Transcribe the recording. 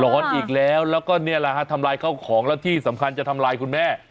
อีกแล้วแล้วก็นี่แหละฮะทำลายข้าวของแล้วที่สำคัญจะทำลายคุณแม่